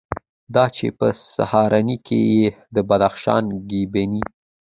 دا چې په سهارنۍ کې یې د بدخشان ګبیني،